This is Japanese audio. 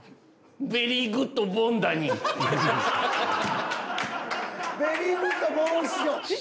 ベリーグッド・ボン師匠。